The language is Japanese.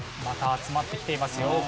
また集まってきていますよ。